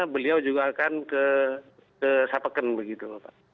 beliau juga akan ke sapeken begitu